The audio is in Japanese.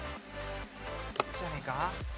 こっちじゃねえか？